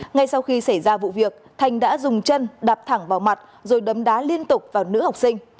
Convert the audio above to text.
ngay sau khi xảy ra vụ việc thành đã dùng chân đạp thẳng vào mặt rồi đấm đá liên tục vào nữ học sinh